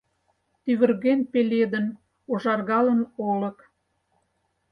«Тӱвырген пеледын, ужаргалын олык...»